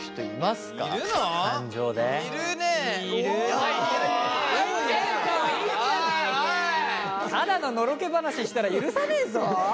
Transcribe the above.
ただののろけ話したら許さねえぞ。